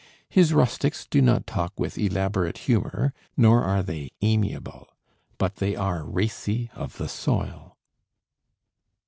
His rustics do not talk with elaborate humor, nor are they amiable, but they are racy of the soil.